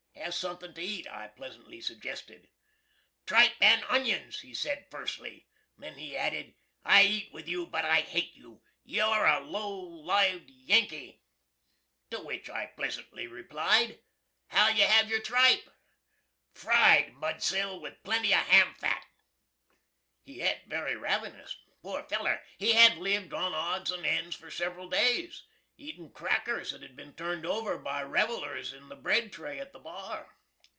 "Hav' suthin' to eat!" I pleasantly suggested. "Tripe and onions!" he sed furcely; then he added, "I eat with you, but I hate you. You're a low lived Yankee!" To which I pleasantly replied, "How'l you have your tripe?" "Fried, mudsill! with plenty of ham fat!" He et very ravenus. Poor feller! He had lived on odds and ends for several days, eatin' crackers that had bin turned over by revelers in the bread tray at the bar.